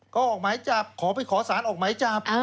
ก็ออกหมายจับขอไปขอสารออกหมายจับ